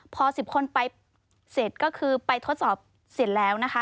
พอ๑๐คนไปเสร็จก็คือไปทดสอบเสร็จแล้วนะคะ